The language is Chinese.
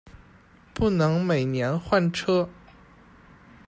不能每年换车